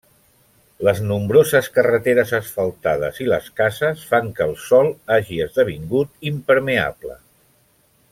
Les nombroses carreteres asfaltades i les cases fan que el sòl hagi esdevingut impermeable.